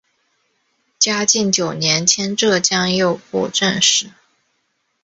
嘉靖九年迁浙江右布政使。